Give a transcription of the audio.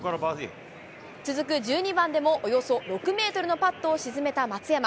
続く１２番でもおよそ６メートルのパットを沈めた松山。